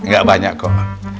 gak banyak kok